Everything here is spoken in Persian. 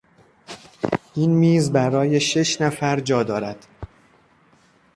این میز برای شش نفر جا دارد.